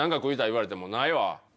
言われても「ないわ」